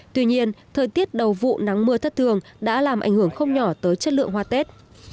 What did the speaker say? tuy nhiên thời tiết đầu vụ nắng mưa thất thường đã làm ảnh hưởng không nhỏ tới chất lượng hoa tết